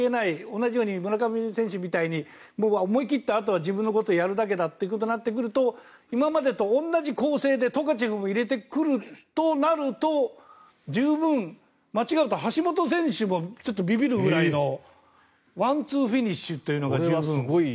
同じように村上選手みたいに思い切ってあとは自分のことをやるだけだとなってくると今までと同じ構成でトカチェフを入れてくるとなると十分、間違うと橋本選手もちょっとびびるぐらいのワンツーフィニッシュというのが十分。